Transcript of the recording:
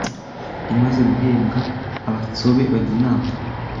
imaze guhambwa, Abatsobe bajya inama